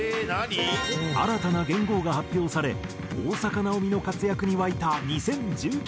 新たな元号が発表され大坂なおみの活躍に沸いた２０１９年。